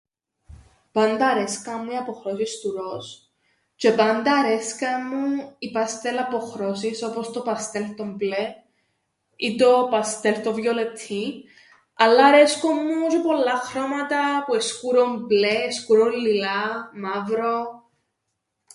Πάντα αρέσκαν μου οι αποχρώσεις του ροζ, τζ̆αι πάντα αρέσκαν μου οι παστέλ αποχρώσεις όπως το παστέλ το μπλε, ή το παστέλ το βιολεττίν. Αλλά αρέσκουν μου τζ̆αι πολλά χρώματα που εν' σκούρον μπλε, σκούρον λιλά, μα΄υρον.